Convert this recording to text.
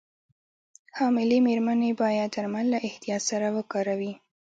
حاملې مېرمنې باید درمل له احتیاط سره وکاروي.